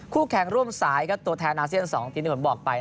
แข่งร่วมสายตัวแทนอาเซียน๒ทีมที่ผมบอกไป